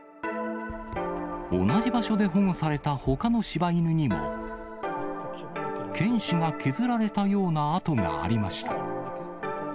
同じ場所で保護されたほかのしば犬にも、犬歯が削られたような跡がありました。